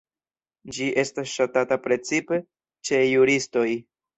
Ĝi estas ŝatata precipe ĉe juristoj.